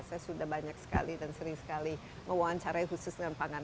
saya sudah banyak sekali dan sering sekali mewawancarai khusus dengan pangan